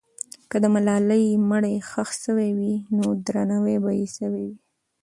که د ملالۍ مړی ښخ سوی وي، نو درناوی به یې سوی وي.